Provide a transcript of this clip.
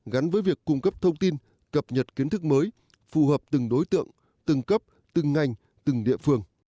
gắn với việc cung cấp thông tin cập nhật kiến thức mới phù hợp từng đối tượng từng cấp từng ngành từng địa phương